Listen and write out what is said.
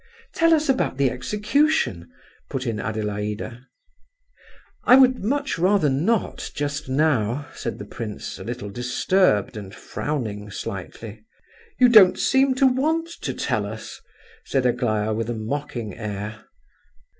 "Tell us about the execution," put in Adelaida. "I would much rather not, just now," said the prince, a little disturbed and frowning slightly. "You don't seem to want to tell us," said Aglaya, with a mocking air.